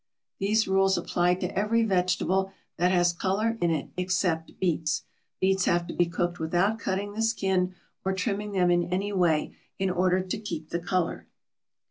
These rules apply to every vegetable that has color in it except beets. Beets have to be cooked without cutting the skin or trimming them in any way, in order to keep the color.